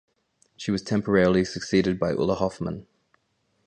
She was temporarily succeeded by Ulla Hoffmann.